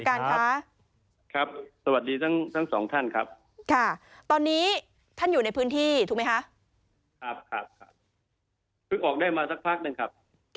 ครับครับครับคุยออกได้มาสักพักหนึ่งครับ